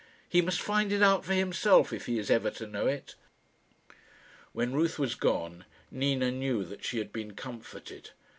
He must find it out for himself if he is ever to know it." When Ruth was gone, Nina knew that she had been comforted.